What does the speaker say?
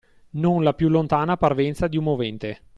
Non la più lontana parvenza di un movente;